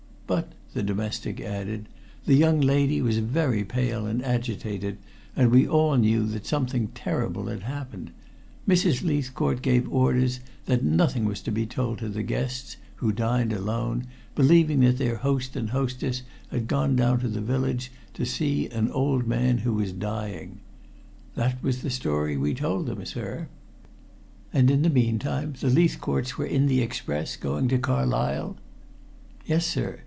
But," the domestic added, "the young lady was very pale and agitated, and we all knew that something terrible had happened. Mrs. Leithcourt gave orders that nothing was to be told to the guests, who dined alone, believing that their host and hostess had gone down to the village to see an old man who was dying. That was the story we told them, sir." "And in the meantime the Leithcourts were in the express going to Carlisle?" "Yes, sir.